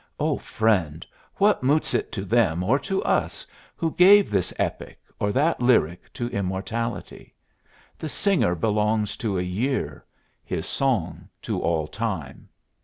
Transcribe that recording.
O friend! what moots it to them or to us who gave this epic or that lyric to immortality? The singer belongs to a year, his song to all time.